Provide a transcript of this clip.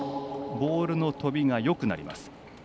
ボールの飛びがよくなります。